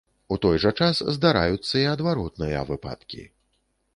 У той жа час здараюцца і адваротныя выпадкі.